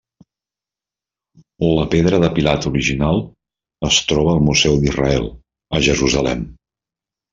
La pedra de Pilat original es troba al Museu d'Israel, a Jerusalem.